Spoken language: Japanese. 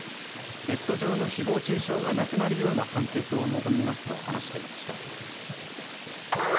ネット上のひぼう中傷がなくなるような判決を望みますと話していました。